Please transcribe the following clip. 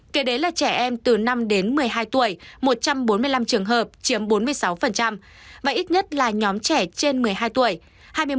kể đến là trẻ em từ năm đến một mươi hai tuổi một trăm bốn mươi năm trường hợp chiếm bốn mươi sáu và ít nhất là nhóm trẻ trên một mươi hai tuổi